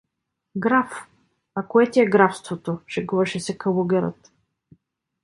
— Граф? А кое ти е графството? — шегуваше се калугерът.